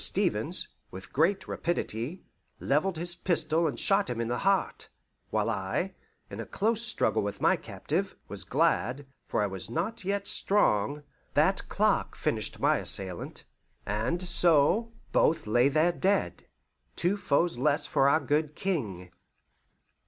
Stevens, with great rapidity, leveled his pistol and shot him in the heart, while I, in a close struggle with my captive, was glad for I was not yet strong that Clark finished my assailant: and so both lay there dead, two foes less of our good King.